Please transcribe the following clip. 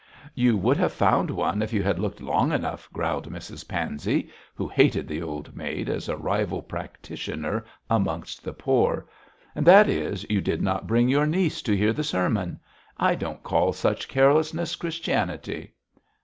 'You would have found one if you had looked long enough,' growled Mrs Pansey, who hated the old maid as a rival practitioner amongst the poor, 'and that is, you did not bring your niece to hear the sermon. I don't call such carelessness Christianity.'